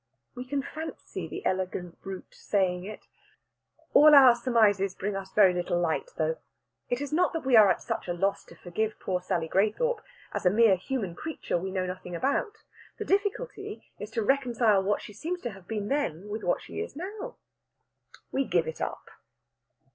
We can fancy the elegant brute saying it. All our surmises bring us very little light, though. It is not that we are at such a loss to forgive poor Sally Graythorpe as a mere human creature we know nothing about. The difficulty is to reconcile what she seems to have been then with what she is now. We give it up.